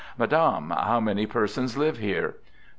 " Madame, how many persons live here?"